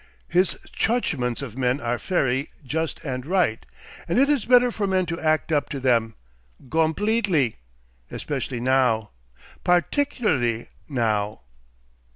His chugments of men are fery just and right, and it is better for men to act up to them gompletely. Especially now. Particularly now."